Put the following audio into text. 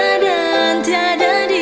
suara kamu indah sekali